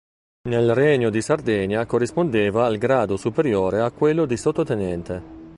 Nel Regno di Sardegna corrispondeva al grado superiore a quello di sottotenente.